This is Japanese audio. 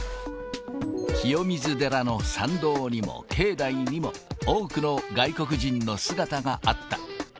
清水寺の参道にも、境内にも、多くの外国人の姿があった。